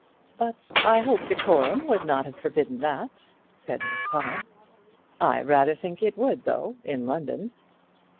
"But I hope decorum would not have forbidden that," said Miss Todd. "I rather think it would though, in London."